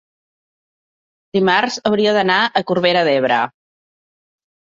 dimarts hauria d'anar a Corbera d'Ebre.